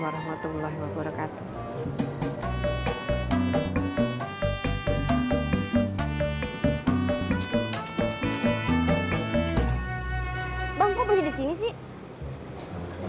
bang kok berhenti disini sih